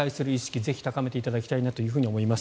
ぜひ高めていただきたいと思います。